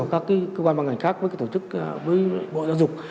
các cơ quan bằng ngành khác với tổ chức với bộ giáo dục